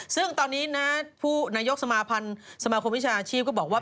ซึ่งตอนนี้นะผู้นายกสมาพันธ์สมาคมวิชาชีพก็บอกว่า